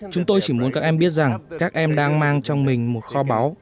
chúng tôi chỉ muốn các em biết rằng các em đang mang trong mình một kho báu